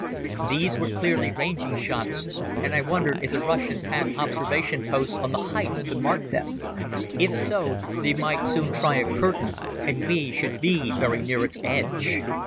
These were clearly ranging shots, and I wondered if the Russians had observation posts on the heights to mark them. If so, they might soon try a curtain, and we should be very near its edge.